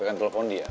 tapi kan telepon dia